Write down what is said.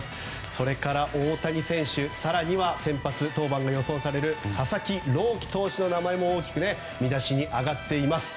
それから大谷選手更には先発登板が予想される佐々木朗希投手の名前も大きく見出しに上がっています。